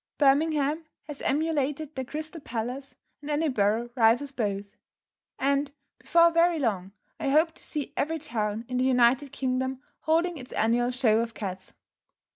Birmingham has emulated the Crystal Palace, and Edinburgh rivals both; and, before very long, I hope to see every town, in the United Kingdom holding its annual show of cats.